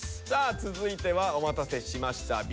さあ続いてはお待たせしました。